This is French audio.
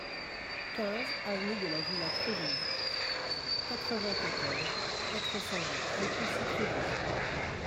quinze avenue de la Villa Trévise, quatre-vingt-quatorze, quatre cent vingt, Le Plessis-Trévise